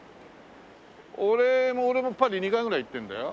俺もパリ２回ぐらい行ってるんだよ。